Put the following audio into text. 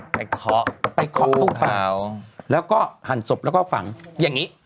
เคาะไปเคาะตู้เปล่าแล้วก็หั่นศพแล้วก็ฝังอย่างนี้